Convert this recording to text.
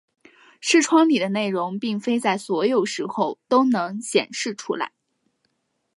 视窗里的内容并非在所有时候都能显示出来。